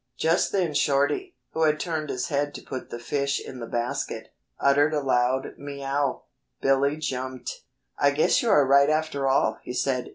Just then Shorty, who had turned his head to put the fish in the basket, uttered a loud "meow." Billy jumped. "I guess you are right after all," he said.